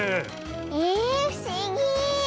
えふしぎ。